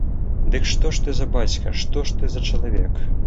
Дык што ж ты за бацька, што ж ты за чалавек?